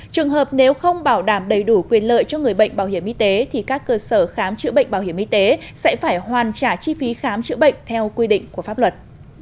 trường hợp nếu không bảo đảm đầy đủ quyền lợi cho người bệnh bảo hiểm y tế thì các cơ sở khám chữa bệnh bảo hiểm y tế sẽ phải hoàn trả chi phí khám chữa bệnh theo quy định của pháp luật